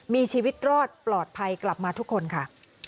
มีชีวิตรอดปลอดภัยกลับมาทุกคนค่ะ